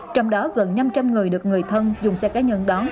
trong đó gần năm trăm linh người được người thân dùng xe cá nhân đó